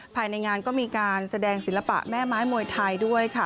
ภายในงานก็มีการแสดงศิลปะแม่ไม้มวยไทยด้วยค่ะ